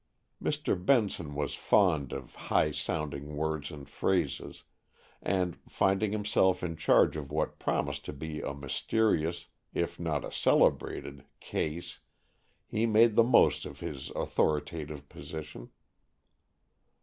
Mr. Benson was fond of high sounding words and phrases, and, finding himself in charge of what promised to be a mysterious, if not a celebrated, case, he made the most of his authoritative position.